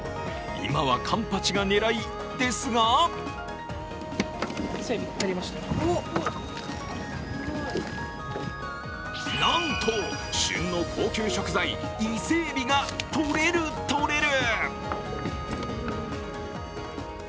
今はカンパチが狙いですがなんと旬の高級食材・伊勢えびがとれる、とれる！